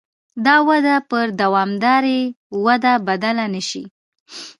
دا وده پر دوامدارې ودې بدله نه شي.